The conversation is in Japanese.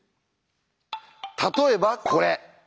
例えばこれ。